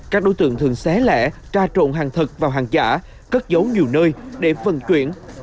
các đối tượng thường xé lẻ tra trộn hàng thật vào hàng giả cất dấu nhiều nơi để vận chuyển